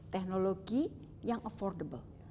teknologi yang affordable